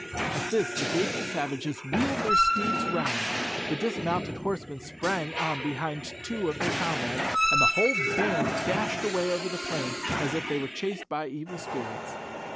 At this the gaping savages wheeled their steeds round, the dismounted horsemen sprang on behind two of their comrades, and the whole band dashed away over the plains as if they were chased by evil spirits.